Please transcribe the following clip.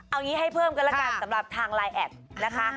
เอางี้ให้เพิ่มกันแล้วกันสำหรับทางไลน์แอดนะคะ